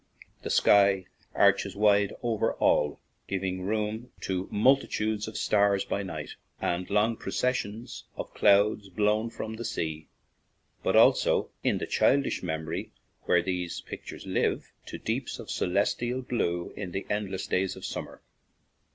The sky arches wide over all, giving room to multi tudes of stars by night and long processions of clouds blown from the sea, but also, in the childish memory where these pictures live, to deeps of celestial blue in the endless days of summer.